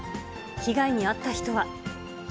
被害に遭った人は。